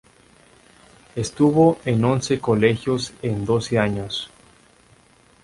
Estuvo en once colegios en doce años.